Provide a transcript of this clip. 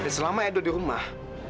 selama edo di rumah